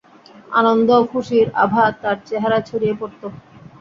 আনন্দ ও খুশির আভা তার চেহারায় ছড়িয়ে পড়ত।